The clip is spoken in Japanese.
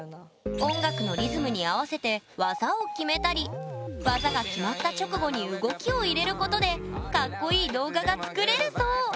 音楽のリズムに合わせて技を決めたり技が決まった直後に動きを入れることでカッコいい動画が作れるそう！